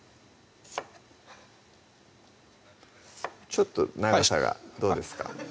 ちょっと長さがどうですか？